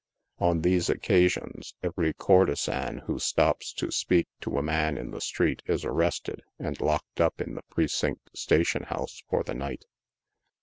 On these occasions, every courtesan who stops to speak to a man in the street is arrested, and locked up in the Precinct station house for the night.